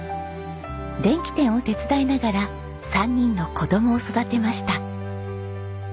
電気店を手伝いながら３人の子供を育てました。